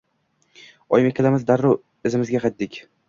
Oyim ikkalamiz darrov izimizga qaytdik.